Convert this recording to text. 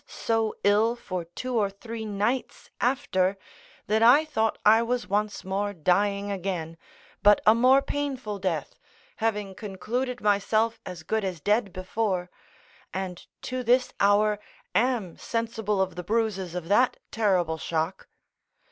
so ill for two or three nights after, that I thought I was once more dying again, but a more painful death, having concluded myself as good as dead before, and to this hour am sensible of the bruises of that terrible shock.